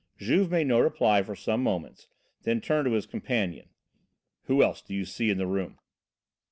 Juve made no reply for some moments, then turned to his companion. "Who else do you see in the room?"